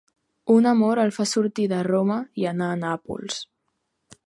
Un amor el fa sortir de Roma i anar a Nàpols.